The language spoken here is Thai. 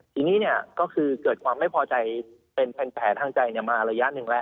ทีนี้ก็คือเกิดความไม่พอใจเป็นแผลทางใจมาระยะหนึ่งแล้ว